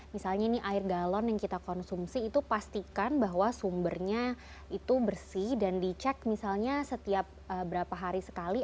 misalnya ini air galon yang kita konsumsi itu pastikan bahwa sumbernya itu bersih dan dicek misalnya setiap berapa hari sekali